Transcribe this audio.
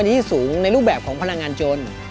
ในที่สูงในรูปแบบของพลังงานโจร